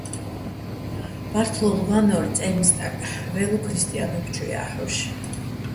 ბართლო́მ ვანორ წაჲნი̆ სტაკ, ვაჲლო ქრისტიანობ ჩუ ჲა́ჰ̦ოშ.